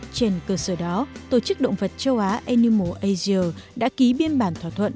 trên cơ sở đó tổ chức động vật châu á animal asia đã ký biên bản thỏa thuận